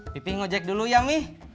pipih ngejek dulu ya mi